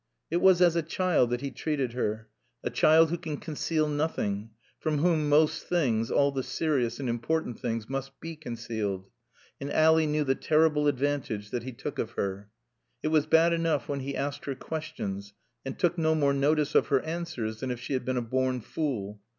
It was as a child that he treated her, a child who can conceal nothing, from whom most things all the serious and important things must be concealed. And Ally knew the terrible advantage that he took of her. It was bad enough when he asked her questions and took no more notice of her answers than if she had been a born fool.